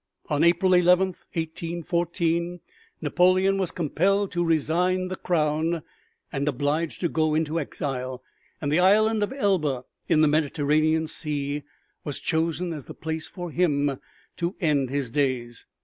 On April 11, 1814, Napoleon was compelled to resign the crown, and obliged to go into exile; and the island of Elba in the Mediterranean Sea was chosen as the place for him to end his days.